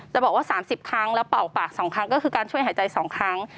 จะบอกว่า๓๐ครั้งแล้วเป่าปาก๒ครั้งก็คือการช่วยหายใจ๒ครั้ง